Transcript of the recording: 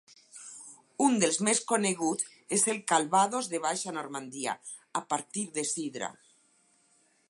Un dels més coneguts és el calvados de Baixa Normandia a partir de sidra.